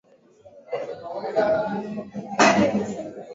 sheds mwanga juu ya baadhi ya vipengele vya historia ya Marekani ya karne ya